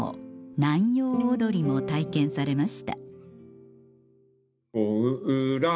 南洋踊りも体験されました